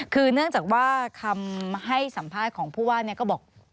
คือเนื่องจากว่าคำให้สัมภาษณ์ของผู้ว่าก็บอก